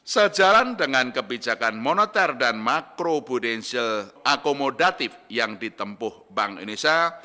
sejalan dengan kebijakan moneter dan makrobudential akomodatif yang ditempuh bank indonesia